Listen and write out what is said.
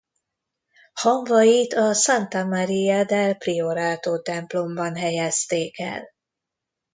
Hamvait a Santa Maria del Priorato-templomban helyezték el.